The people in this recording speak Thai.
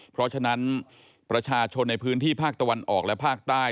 เพราะฉะนั้นประชาชนในพื้นที่ภาคตะวันออกและภาคใต้